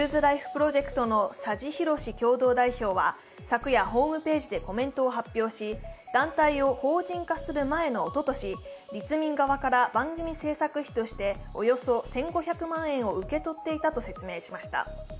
ＣｈｏｏｓｅＬｉｆｅＰｒｏｊｅｃｔの佐治洋共同代表は昨夜、ホームページでコメントを発表し、団体を法人化する前のおととし、立民側から番組制作費としておよそ１５００万円を受け取っていたと説明しました。